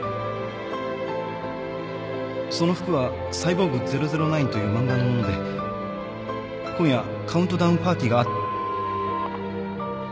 その服は『サイボーグ００９』という漫画のもので今夜カウントダウンパーティーがあっ